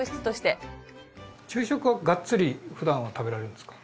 昼食はがっつり普段は食べられるんですか？